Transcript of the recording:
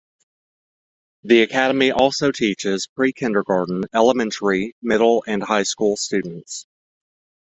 The academy also teaches pre-kindergarten, elementary, middle, and high school students.